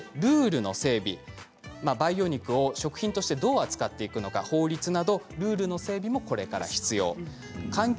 そして培養肉を食品としてどう扱うのか法律などルールの整備もこれから必要です。